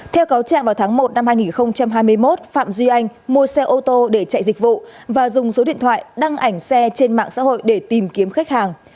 theo cáo trạng vào tháng một năm hai nghìn hai mươi một phạm duy anh mua xe ô tô để chạy dịch vụ và dùng số điện thoại đăng ảnh xe trên mạng xã hội để tìm kiếm khách hàng